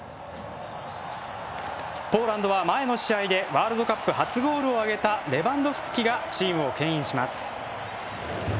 ポーランドは前の試合でワールドカップ初ゴールを挙げたレバンドフスキがチームをけん引します。